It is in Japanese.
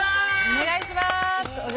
お願いします！